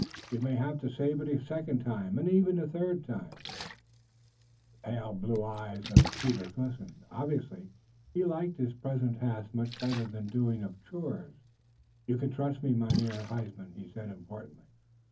You may haf to save it a second und yet a third time." The pale blue eyes of Peter glistened. Obviously he liked his present task much better than the doing of chores. "You can trust me, Mynheer Huysman," he said importantly.